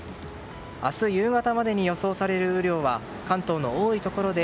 明日夕方までに予想される雨量は関東の多いところで